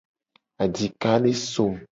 Adika le som.